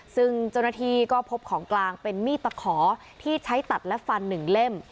ซึ่งเจ้าหน้าที่ก็พบของกลางเป็นมีดตะขอที่ใช้ตัดและฟันหนึ่งเล่ม